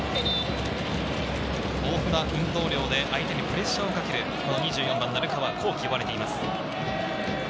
豊富な運動量で相手にプレッシャーをかける２４番・鳴川幸輝、呼ばれています。